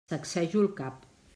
Sacsejo el cap.